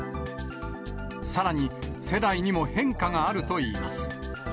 さらに世代にも変化があるといいます。